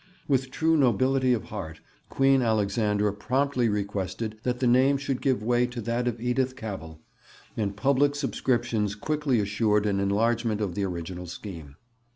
With true nobility of heart Queen Alexandra promptly requested that her name should give way to that of Edith Cavell, and public subscriptions quickly assured an enlargement of the original scheme.